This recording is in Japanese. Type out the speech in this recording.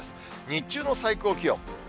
日中の最高気温。